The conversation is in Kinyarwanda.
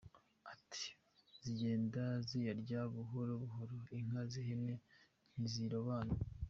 Ati “Zigenda ziyarya buhoro buhoro, inka n’ihene ntizirobanura.